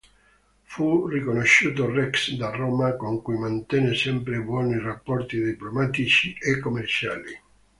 Fu riconosciuto "rex" da Roma, con cui mantenne sempre buoni rapporti diplomatici e commerciali.